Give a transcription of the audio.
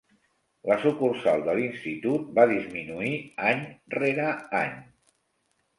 La sucursal de l'Institut va disminuir any rere any.